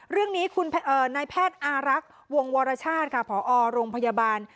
เรื่องนี้คุณนายแพทย์อารักษ์วงวรชาติค่ะผอโรงพยาบาล